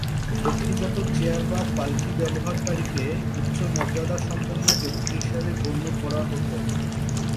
ব্যক্তিগত চেয়ার বা পালকি ব্যবহারকারীকে উচ্চ মর্যাদাসম্পন্ন ব্যক্তি হিসেবে গণ্য করা হতো।